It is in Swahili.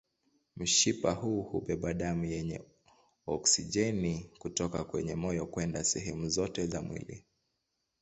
Mshipa huu hubeba damu yenye oksijeni kutoka kwenye moyo kwenda sehemu zote za mwili.